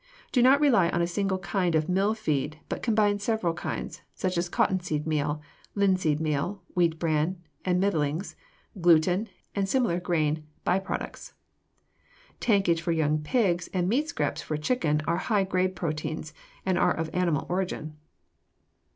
Do not rely on a single kind of mill feed, but combine several kinds, such as cotton seed meal, linseed meal, wheat bran and middlings, gluten, and similar grain by products. Tankage for young pigs and meat scraps for chickens are high grade proteins and are of animal origin.